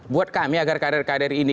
buat kami agar karir karir ini